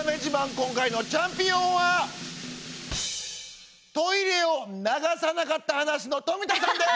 今回のチャンピオンはトイレを流さなかった話の富田さんです！